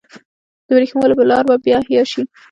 د ورېښمو لار به بیا احیا شي؟